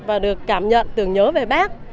và được cảm nhận tưởng nhớ về bắc